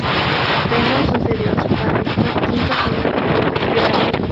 Pedro sucedió a su padre y fue V señor de Flores de Ávila.